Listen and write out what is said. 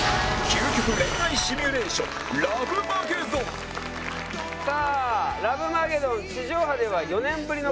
究極恋愛シミュレーションラブマゲドンさあラブマゲドン地上波では４年ぶりの開催となります。